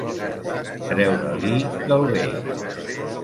Treure-li del bec.